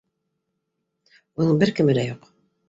Уның бер кеме лә юҡ